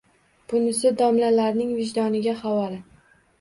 Bunisi domlalarning vijdoniga havola